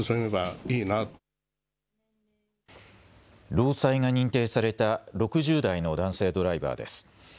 労災が認定された６０代の男性ドライバーです。